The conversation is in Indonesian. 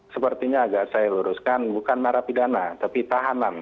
sepertinya agak saya luruskan bukan marah pidana tapi tahanan